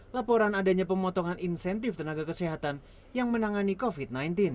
laporan adanya pemotongan insentif tenaga kesehatan yang menangani covid sembilan belas